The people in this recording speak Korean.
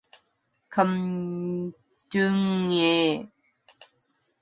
감독은 의자에 걸어 앉아서 격문조각을 자세히 들여다보다가 흘끔 쳐다보았다.